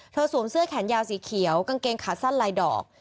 สวมเสื้อแขนยาวสีเขียวกางเกงขาสั้นลายดอก